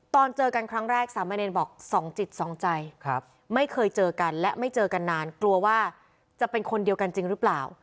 ตอนเจอกันครั้งแรกสามเณรบอกสองจิตสองใจไม่เคยเจอกันและไม่เจอกันนานกลัวว่าจะเป็นคนเดียวกันจริงหรือเปล่า